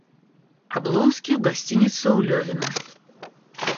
Облонский в гостинице у Левина.